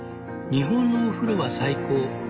日本のお風呂は最高。